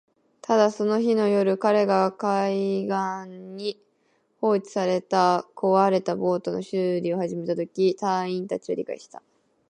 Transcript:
ただ、その日の夜、彼が海辺に放置された壊れたボートの修理を始めたとき、隊員達は理解した